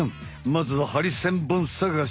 まずはハリセンボンさがし！